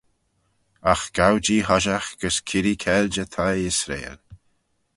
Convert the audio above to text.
Agh gow-jee hoshiaght gys kirree cailjey thie Israel.